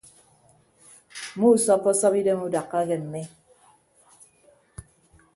Muusọppọsọp idem udakka ke mmi.